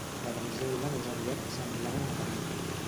La damisel·la més aviat semblava una parenta